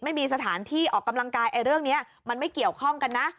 ไม่มีสถานที่ออกกำลังกายเรื่องนี้มันไม่เกี่ยวข้องกันนะ